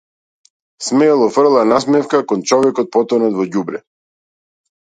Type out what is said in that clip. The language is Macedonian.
Смело фрла насмевка кон човекот потонат во ѓубре.